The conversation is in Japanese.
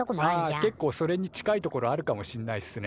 あ結構それに近いところあるかもしんないっすね。